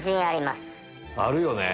あるよね。